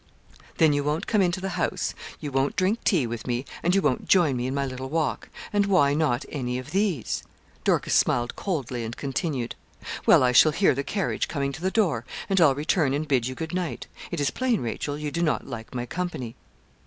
'Then you won't come into the house, you won't drink tea with me, and you won't join me in my little walk; and why not any of these?' Dorcas smiled coldly, and continued, 'Well, I shall hear the carriage coming to the door, and I'll return and bid you good night. It is plain, Rachel, you do not like my company.'